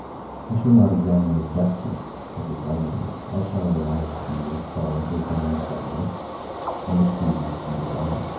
I shall not examine the justness of this argument. I shall allow it to be as solid as my antagonists and accusers can desire.